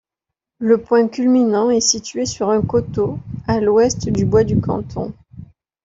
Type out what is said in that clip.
Le point culminant est situé sur un coteau, à l'ouest du Bois du Canton.